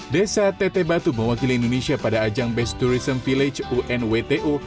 desa teteh batu mewakili indonesia pada ajang best tourism village unwto